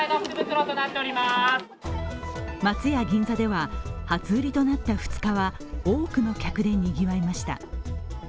松屋銀座では、初売りとなった２日は多くの客でにぎわいました。